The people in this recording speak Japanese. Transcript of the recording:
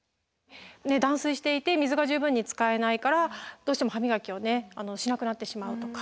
断水していて水が十分に使えないからどうしても歯磨きをしなくなってしまうとか。